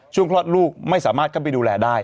คลอดลูกไม่สามารถเข้าไปดูแลได้